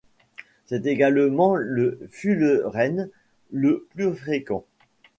C'est également le fullerène le plus fréquent.